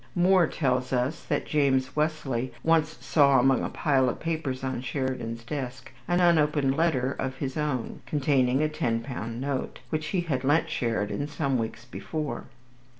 Moore tells us that James Wesley once saw among a pile of papers on Sheridan's desk an unopened letter of his own, containing a ten pound note, which he had lent Sheridan some weeks before.